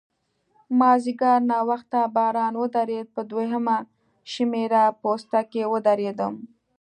مازیګر ناوخته باران ودرېد، په دوهمه شمېره پوسته کې ودرېدم.